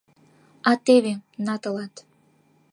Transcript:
А теве - на тылат!